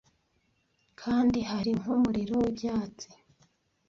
kandi hari nkumuriro wibyatsi